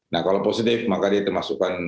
nah kalau positif maka dia termasukkan